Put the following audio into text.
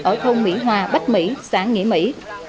ở thôn mỹ hòa bách mỹ xã nghĩa mỹ